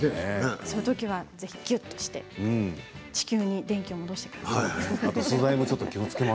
そのときはぜひぎゅっとして地球に静電気を戻してください。